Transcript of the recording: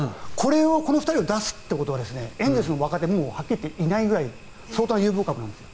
この２人を出すというのはエンゼルスの若手はもうはっきり言っていないくらい相当な有望株なんです。